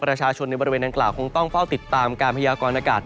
ประชาชนในบริเวณดังกล่าวคงต้องเฝ้าติดตามการพยากรณากาศ